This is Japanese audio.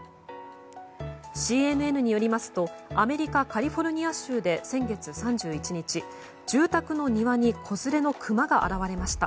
ＣＮＮによりますとアメリカ・カリフォルニア州で先月３１日、住宅の庭に子連れのクマが現れました。